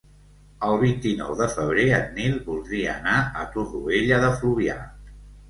El vint-i-nou de febrer en Nil voldria anar a Torroella de Fluvià.